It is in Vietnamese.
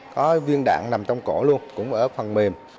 có viên đạn nằm trong cổ luôn cũng ở phần mềm